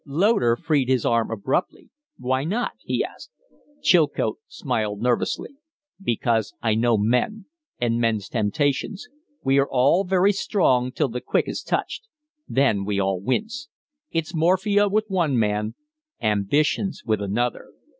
Loder freed his arm abruptly. "Why not?" he asked. Chilcote smiled nervously. "Because I know men and men's temptations. We are all very strong till the quick is touched; then we all wince. It's morphia with one man, ambitions with another.